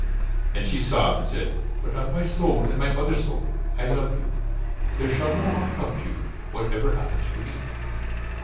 Then she sobbed and said: "But on my soul and my Mother's soul, I love you. There shall no harm come to you, whatever happens to me."